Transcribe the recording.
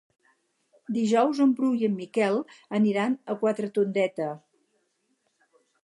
Dijous en Bru i en Miquel aniran a Quatretondeta.